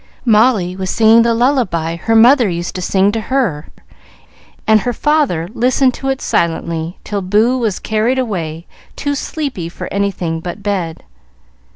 Molly was singing the lullaby her mother used to sing to her, and her father listened to it silently till Boo was carried away too sleepy for anything but bed.